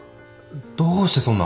どうしてそんな？